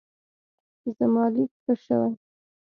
زما لیک ښه شوی.